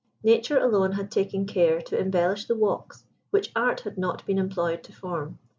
Nature alone had taken care to embellish the walks, which Art had not been employed to form.